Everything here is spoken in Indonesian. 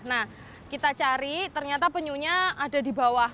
nah kita cari ternyata penyunya ada di bawah